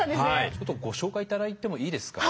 ちょっとご紹介頂いてもいいですか。